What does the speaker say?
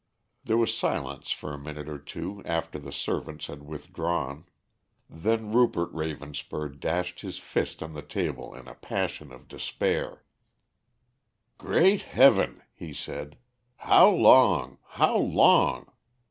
There was silence for a minute or two after the servants had withdrawn. Then Rupert Ravenspur dashed his fist on the table in a passion of despair. "Great Heaven!" he said. "How long, how long?